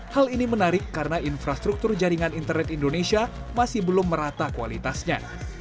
hal ini menarik karena infrastruktur jaringan internet indonesia masih belum merata kualitasnya